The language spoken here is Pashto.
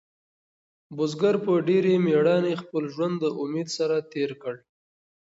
بزګر په ډېرې مېړانې خپل ژوند د امید سره تېر کړ.